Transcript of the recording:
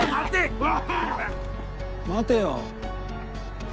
待てよ。